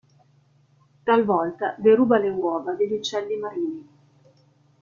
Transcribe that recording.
Talvolta deruba le uova degli uccelli marini.